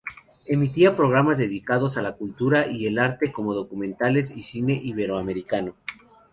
Emitía programas dedicados a la cultura y al arte, como documentales y cine iberoamericano.